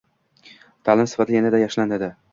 Ta’lim sifati yanada yaxshilanadi